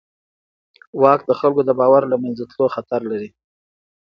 واک د خلکو د باور له منځه تلو خطر لري.